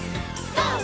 ＧＯ！